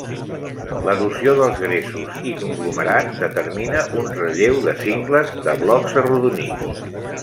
L'erosió dels gresos i conglomerats determina un relleu de cingles de blocs arrodonits.